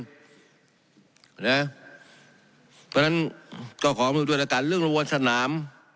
เพราะฉะนั้นก็ขอมือตัวตัวต่างเรื่องระวังสนาม